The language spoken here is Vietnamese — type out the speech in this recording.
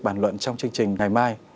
bản luận trong chương trình ngày mai